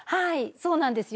そうなんですよ。